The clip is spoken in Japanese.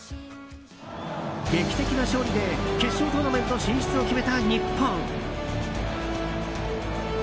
劇的な勝利で決勝トーナメント進出を決めた日本。